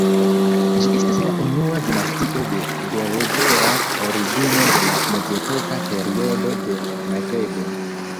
Ĝi estas la unua dinastio de Berbera origino de la mezepoka periodo de Magrebo.